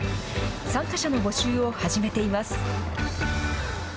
参加者の募集を始めています。